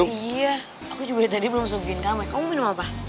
iya aku juga tadi belum masukin kamar kamu minum apa